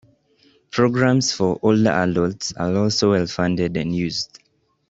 Programs for older adults are also well-funded and used.